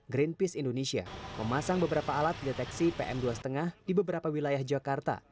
greenpeace indonesia memasang beberapa alat deteksi pm dua lima di beberapa wilayah jakarta